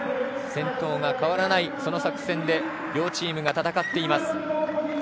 先頭が変わらない作戦で両チームが戦っています。